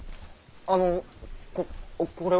あのこれは？